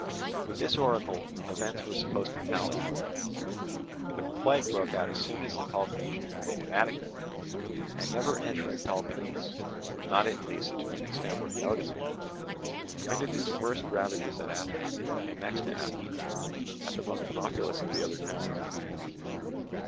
With this oracle events were supposed to tally. For the plague broke out as soon as the Peloponnesians invaded Attica, and never entering Peloponnese (not at least to an extent worth noticing), committed its worst ravages at Athens, and next to Athens, at the most populous of the other towns.